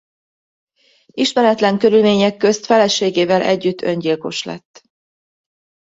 Ismeretlen körülmények közt feleségével együtt öngyilkos lett.